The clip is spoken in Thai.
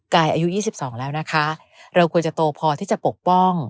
อายุ๒๒แล้วนะคะเราควรจะโตพอที่จะปกป้อง